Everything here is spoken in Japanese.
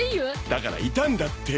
だからいたんだって